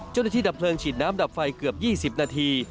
เจ้าหน้าที่ดับเพลิงฉีดน้ำดับไฟเกือบ๒๐นาที